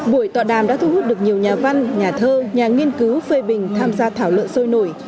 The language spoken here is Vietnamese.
buổi tọa đàm đã thu hút được nhiều nhà văn nhà thơ nhà nghiên cứu phê bình tham gia thảo luận sôi nổi